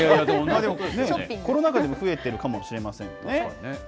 でも、コロナ禍でも増えてるかもしれませんね。